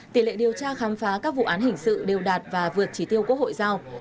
tỷ lệ điều tra khám phá các vụ án hình sự đều đạt và vượt trí tiêu quốc hội giao